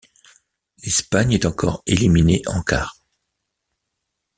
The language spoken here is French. L'Espagne est encore éliminée en quarts.